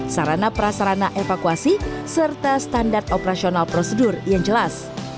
sarana prasarana evakuasi serta standar operasional prosedur yang jelas